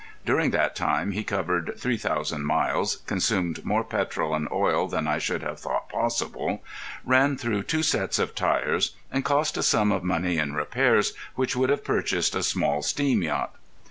During that time he covered three thousand miles, consumed more petrol and oil than I should have thought possible, ran through two sets of tyres, and cost a sum of money in repairs which would have purchased a small steam yacht.